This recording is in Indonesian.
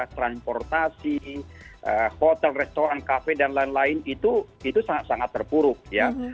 transportasi hotel restoran cafe dll itu sangat sangat perpuruk ya